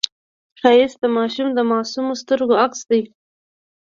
ښایست د ماشوم د معصومو سترګو عکس دی